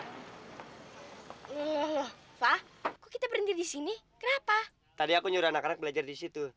hmm kok kita berhenti di sini kenapa tadi aku nyuruh anak anak belajar di situ